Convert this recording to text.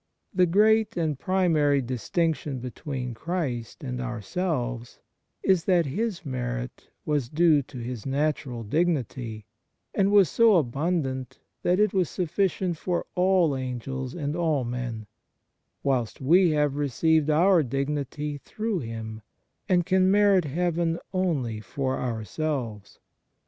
The great and primary distinction between Christ and ourselves is that His merit was due to His natural dignity, and was so abundant that it was sufficient for all Angels and all men; whilst we have re ceived our dignity through Him, and can merit heaven only for ourselves.